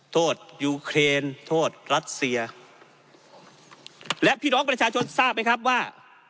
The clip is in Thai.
โทษยูเครนโทษรัสเซียและพี่น้องประชาชนทราบไหมครับว่า